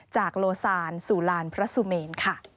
จากโลศานสูลานพระสุเมน